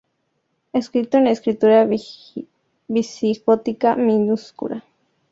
Escrito en escritura visigótica minúscula.